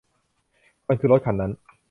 มันคือรถคันนั้น